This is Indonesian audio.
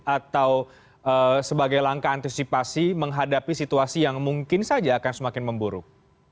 atau sebagai langkah antisipasi menghadapi situasi yang mungkin saja akan semakin memburuk